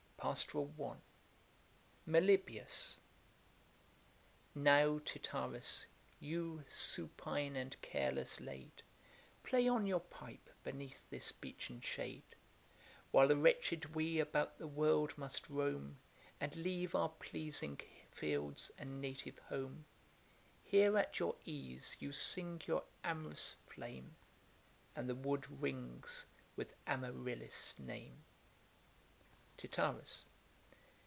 Pastoral I. MELIBOEUS. Now, Tityrus, you, supine and careless laid, Play on your pipe beneath this beechen shade; While wretched we about the world must roam, And leave our pleasing fields and native home, Here at your ease you sing your amorous flame, And the wood rings with Amarillis' name. TITYRUS.